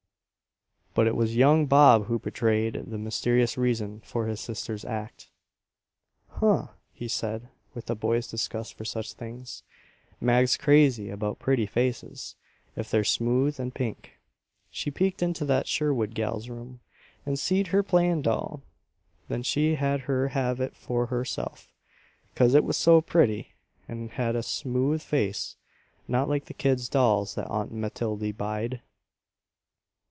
But it was young Bob who betrayed the mysterious reason for his sister's act. "Huh!" he said, with a boy's disgust for such things. "Mag's crazy about pretty faces, if they're smooth, an' pink. She peeked into that Sherwood gal's room and seed her playin' doll; then she had ter have it for herself 'cause it was so pretty and had a smooth face, not like the kids' dolls that Aunt Matildy buyed."